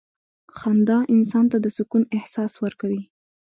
• خندا انسان ته د سکون احساس ورکوي.